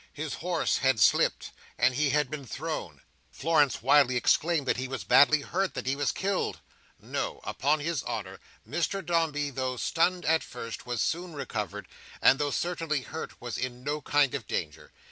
His horse had slipped, and he had been thrown. Florence wildly exclaimed that he was badly hurt; that he was killed! No. Upon his honour, Mr Dombey, though stunned at first, was soon recovered, and though certainly hurt was in no kind of danger.